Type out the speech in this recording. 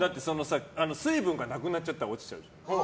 水分がなくなっちゃったら落ちちゃうから。